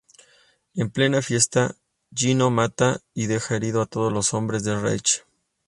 En plena fiesta, Gino mata o deja heridos a todos los hombres de Richie.